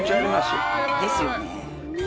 ですよね。